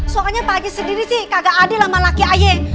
soalnya pak haji sendiri sih kagak adil sama laki ae